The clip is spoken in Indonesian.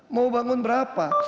mau bangun berapa